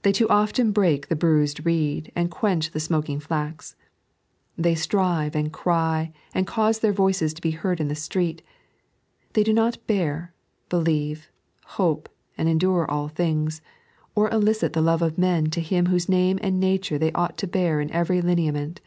They too often break the bruised reed, and quench the smoking flax ; they strive and cry and cause their voices to be heard in the street ; they do not bear, believe, hope, and endure all things, or elicit the love of men to Him whose name and nature they ought to bear in every lineament.